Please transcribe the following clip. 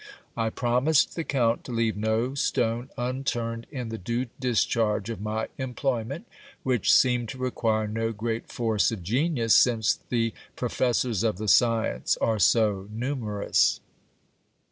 I promised the count to leave no stone unturned in the due discharge of my employment, which seemed to require no great force of genius, since the professors of the science are so numerous.